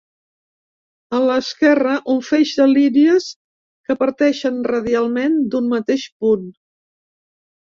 A l'esquerra, un feix de línies que parteixen radialment d'un mateix punt.